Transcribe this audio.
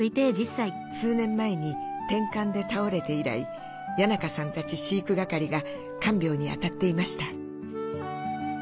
数年前にてんかんで倒れて以来谷仲さんたち飼育係が看病にあたっていました。